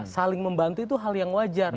saling membantu itu hal yang wajar